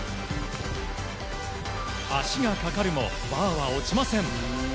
脚がかかるも、バーは落ちません。